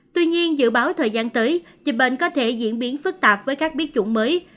tuy nhiên dự báo thời gian tới dịch bệnh có thể diễn biến phức tạp với các biến chủng mới